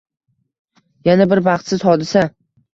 Yana bir baxtsiz hodisa